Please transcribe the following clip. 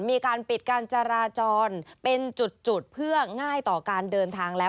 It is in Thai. มีการปิดการจราจรเป็นจุดเพื่อง่ายต่อการเดินทางแล้ว